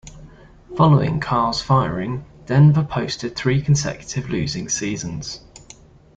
Following Karl's firing, Denver posted three consecutive losing seasons.